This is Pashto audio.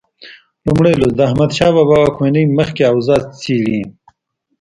لومړی لوست د احمدشاه بابا له واکمنۍ مخکې اوضاع څېړي.